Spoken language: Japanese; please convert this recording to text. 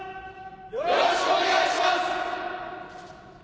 よろしくお願いします。